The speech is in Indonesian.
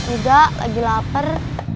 udah lagi lapar